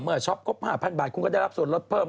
ช็อปครบ๕๐๐บาทคุณก็ได้รับส่วนลดเพิ่ม